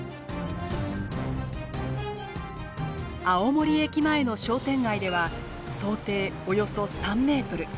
青森駅前の商店街では想定およそ３メートル。